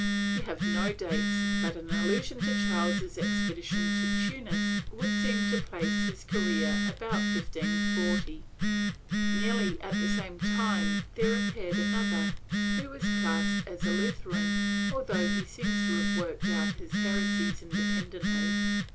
We have no dates, but an allusion to Charles's expedition to Timis would seem to place his career about 1540/ Nearly at the same time there appeared another, who was classed as a Lutheran, although he seems to have worked out his heresies independently.